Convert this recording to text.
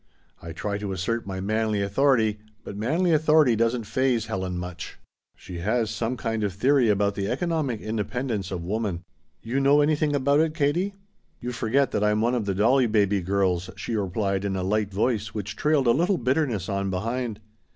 I try to assert my manly authority, but manly authority doesn't faze Helen much. She has some kind of theory about the economic independence of woman. You know anything about it, Katie?" "You forget that I'm one of the doll baby girls," she replied in a light voice which trailed a little bitterness on behind.